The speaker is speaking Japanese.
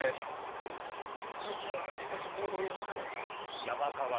へいあの面以前に見覚えがございやす。